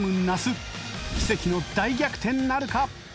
奇跡の大逆転なるか？